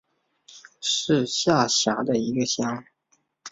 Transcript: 是下辖的一个乡。